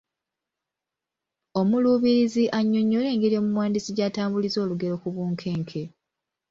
Omuluubirizi annyonnyole engeri omuwandiisi gy’atambuliza olugero ku bunkenke.